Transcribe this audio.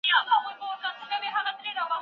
مدرسو کي وده ورکړې ده. البته دا باید هير نه سي،